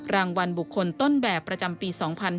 รางวัลบุคคลต้นแบบประจำปี๒๕๕๙